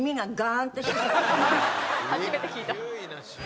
初めて聞いた。